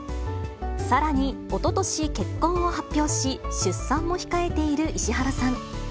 さらに、おととし結婚を発表し、出産も控えている石原さん。